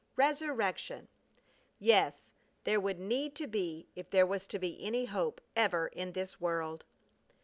Resurrection! Yes, there would need to be if there was to be any hope ever in this world!